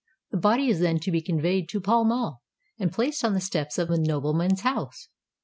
The body is then to be conveyed to Pall Mall, and placed on the steps of the nobleman's house.